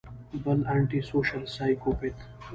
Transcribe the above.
بل انټي سوشل سايکوپېت